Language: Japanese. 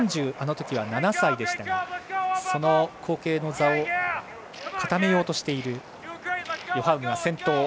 あのときは３７歳でしたがその後継の座を固めようとしているヨハウグ先頭。